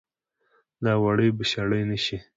دا وړۍ به شړۍ نه شي